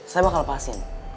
saya bakal lepasin